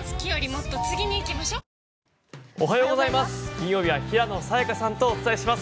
金曜日は平野早矢香さんとお伝えします。